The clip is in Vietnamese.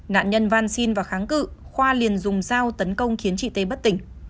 nạn nhân van xin và kháng cự khoa liền dùng dao tấn công khiến chị tê bất tỉnh